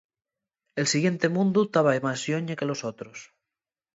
El siguiente mundu taba más lloñe que los otros.